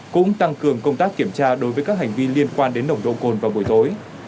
cũng tăng cường công tác kiểm tra đối với các hành vi liên quan đến nồng độ cồn vào buổi tối